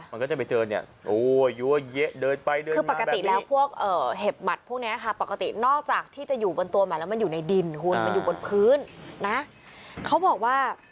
มันก็จะไปเจอเนี้ยโอ้เยอะเยะเดินไปเดินมาคือปกติแล้ว